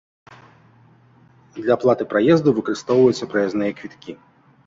Для аплаты праезду выкарыстоўваюцца праязныя квіткі.